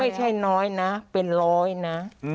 ไม่ใช่น้อยนะเป็นร้อยนะ